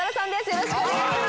よろしくお願いします。